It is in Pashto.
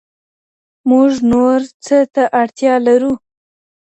موږ نور څه ته اړتيا لرو؟